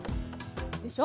でしょ！